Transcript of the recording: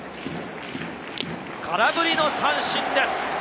空振りの三振です。